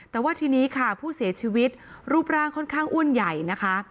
แต่ว่าทีนี้ค่ะผู้เสียชีวิตรูปร่างค่อนข้างอ้วนใหญ่นะคะ